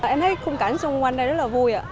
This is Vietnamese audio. em thấy khung cảnh xung quanh đây rất là vui ạ